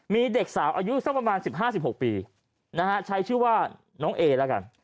มีเด็กสาวอายุสักประมาณ๑๕๑๖ปีนะฮะใช้ชื่อว่าน้องเอแล้วกัน